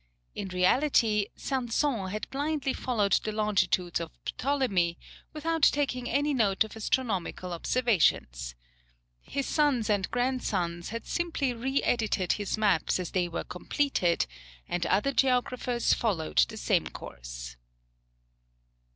In reality, Sanson had blindly followed the longitudes of Ptolemy, without taking any note of astronomical observations. His sons and grandsons had simply re edited his maps as they were completed, and other geographers followed the same course.